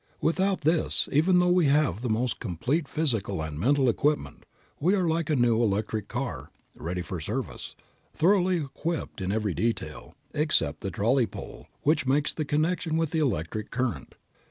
Without this, even though we have the most complete physical and mental equipment, we are like a new electric car, ready for service, thoroughly equipped in every detail, except the trolley pole, which makes the connection with the electric current.